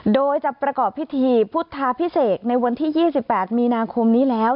โดยจะประกอบพิธีพุทธาพิเศษในวันที่๒๘มีนาคมนี้แล้ว